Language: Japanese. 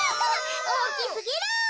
おおきすぎる。